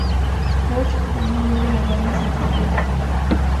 Poch formó luego La Banda Sin Futuro.